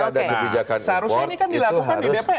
ada kebijakan import itu harus